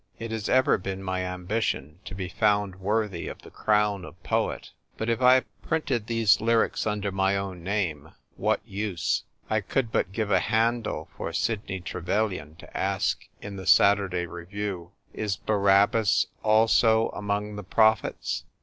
" It has ever been my ambition to be found worthy of the crown of poet. But if I printed these lyrics under my own name, what use ? I could but give a handle for Sidney Trevelyan to ask in the Saturday Review ' Is Barabbas also among the prophets?'